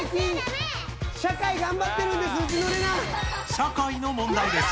社会の問題です。